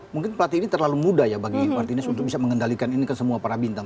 mungkin pelatih ini terlalu mudah ya bagi martinez untuk bisa mengendalikan ini kan semua para bintang